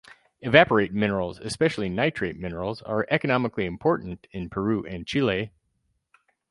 Evaporite minerals, especially nitrate minerals, are economically important in Peru and Chile.